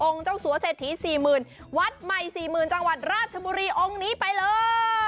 เจ้าสัวเศรษฐี๔๐๐๐วัดใหม่๔๐๐๐จังหวัดราชบุรีองค์นี้ไปเลย